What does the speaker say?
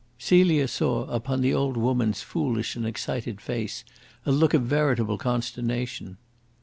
Celia saw upon the old woman's foolish and excited face a look of veritable consternation.